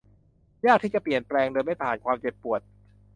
ยากที่จะเปลี่ยนแปลงโดยไม่ผ่านความเจ็บปวด